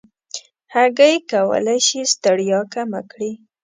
هګۍ کولی شي ستړیا کمه کړي.